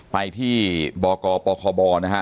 ไปที่บกปคบนะฮะ